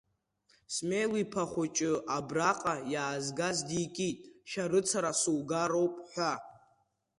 Смел иԥа хәыҷы, абраҟа иаазгаз дикит, шәарыцара сугароуп ҳәа.